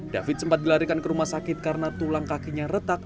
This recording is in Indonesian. david sempat dilarikan ke rumah sakit karena tulang kakinya retak